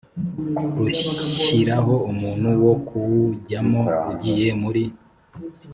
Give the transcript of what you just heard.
rushyiraho umuntu wo kuwujyamo ugiye muri